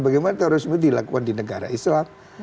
bagaimana terorisme dilakukan di negara islam